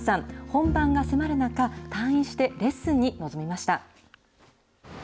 本番が迫る中、退院してレッスンに臨みました。